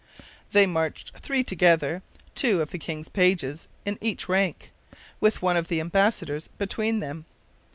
They marched three together, two of the king's pages in each rank, with one of the embassadors' between them.